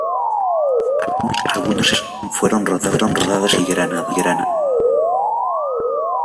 Algunas escenas fueron rodadas en Sevilla y Granada.